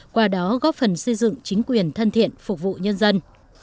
qua đó góp phần xây dựng chính quyền thân thiện phục vụ nhân dân